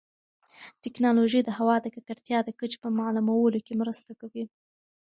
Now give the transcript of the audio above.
ټیکنالوژي د هوا د ککړتیا د کچې په معلومولو کې مرسته کوي.